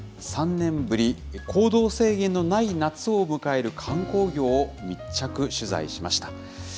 ３年ぶり、行動制限のない夏を迎える観光業を密着取材しました。